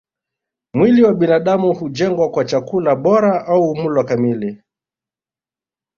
Mwili wa binadamu hujengwa kwa chakula bora au mlo kamili